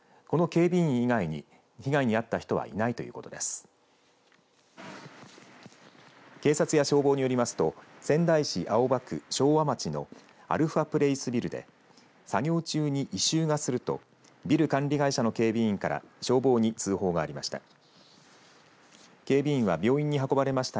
警察や消防によりますと仙台市青葉区昭和町のアルファプレイスビルで作業中に異臭がするとビル管理会社の警備員から消防に通報がありました。